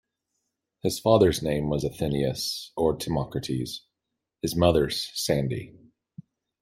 His father's name was Athenaeus or Timocrates, his mother's Sande.